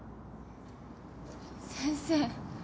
先生。